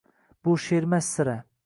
Bu she’rmas sira